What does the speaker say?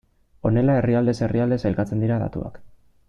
Honela herrialdez herrialde sailkatzen dira datuak.